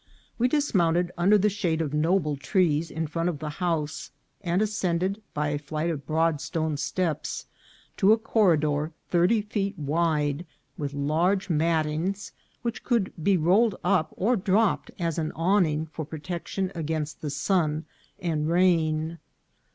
We dismounted under the shade of noble trees in front of the house, and ascended by a flight of broad stone steps to a corridor thirty feet wide, with large mattings, which could be rolled up, or dropped as an awning for protection against the sun and rain.